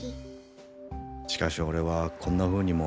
しかし俺はこんなふうにも思うなあ。